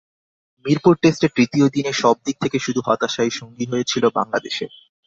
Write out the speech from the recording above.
মিরপুর টেস্টের তৃতীয় দিনে সবদিক থেকে শুধু হতাশাই সঙ্গী হয়েছিল বাংলাদেশের।